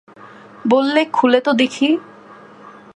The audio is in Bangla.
বললে, খুলে দেখো তো।